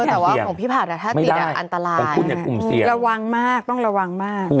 แต่ว่าของพี่ผัสไม่ได้ประชุนกลุ่มเสี่ยง